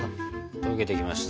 溶けてきました。